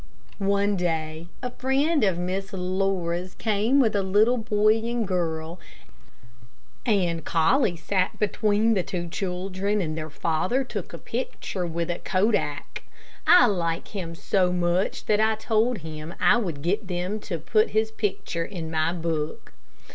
One day a friend of Miss Laura's came with a little boy and girl, and "Collie" sat between the two children, and their father took their picture with a "kodak." I like him so much that I told him I would get them to put his picture in my book.